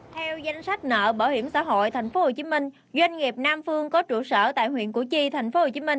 theo danh sách nợ bảo hiểm xã hội tp hcm doanh nghiệp nam phương có trụ sở tại huyện củ chi tp hcm